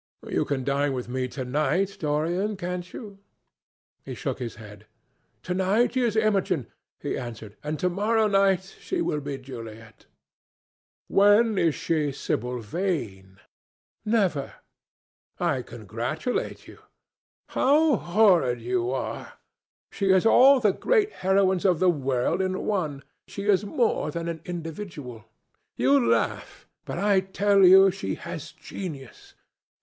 "You can dine with me to night, Dorian, can't you?" He shook his head. "To night she is Imogen," he answered, "and to morrow night she will be Juliet." "When is she Sibyl Vane?" "Never." "I congratulate you." "How horrid you are! She is all the great heroines of the world in one. She is more than an individual. You laugh, but I tell you she has genius.